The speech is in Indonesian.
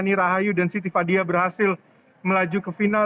ani rahayu dan siti fadia berhasil melaju ke final